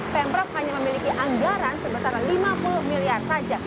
pemprov hanya memiliki anggaran sebesar lima puluh miliar saja